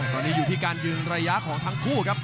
ตอนนี้อยู่ที่การยืนระยะของทั้งคู่ครับ